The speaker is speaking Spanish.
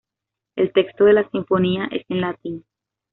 El texto de la sinfonía es en latín.